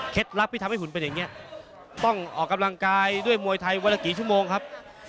ลับที่ทำให้หุ่นเป็นอย่างนี้ต้องออกกำลังกายด้วยมวยไทยวันละกี่ชั่วโมงครับ